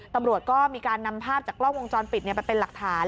ตำรวจก็มีการนำภาพจากกล้องวงจรปิดไปเป็นหลักฐาน